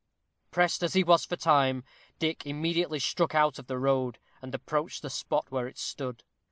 Pressed as he was for time, Dick immediately struck out of the road, and approached the spot where it stood.